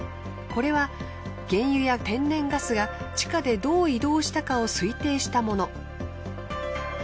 これは原油や天然ガスが地下でどう移動したかを推定したもの。